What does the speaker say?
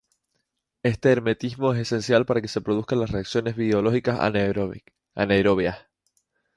Este hermetismo es esencial para que se produzcan las reacciones biológicas anaerobias.